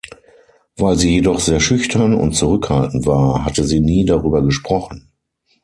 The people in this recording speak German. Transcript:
Weil sie jedoch sehr schüchtern und zurückhaltend war, hatte sie nie darüber gesprochen.